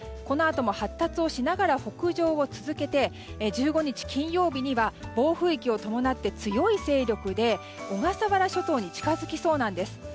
このあとも発達しながら北上を続けて１５日、金曜日には暴風域を伴って強い勢力で小笠原諸島に近づきそうなんです。